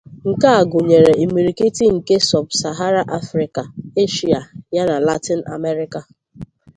Nke a gụnyere imirikiti nke Sub-Saharan Africa, Asia, yana Latin America.